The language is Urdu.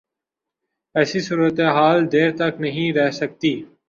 ایسی صورتحال دیر تک نہیں رہ سکتی۔